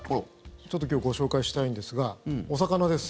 ちょっと今日ご紹介したいんですがお魚です。